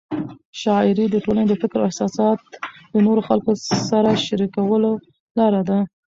شاعري د ټولنې د فکر او احساسات د نورو خلکو سره شریکولو لار ده.